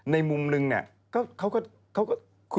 ในมุมหนึ่งนี่เขาก็